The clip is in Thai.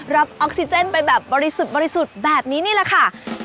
รับออกซิเจนไปแบบบริสุทธิ์แบบนี้นี่ล่ะค่ะ